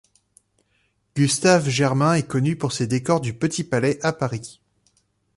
Gustave Germain est connu pour ses décors du Petit Palais à Paris.